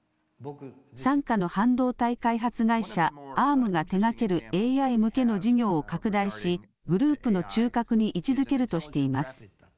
傘下の半導体開発会社、Ａｒｍが手がけるＡＩ向けの事業を拡大し、グループの中核に位置づけるとしています。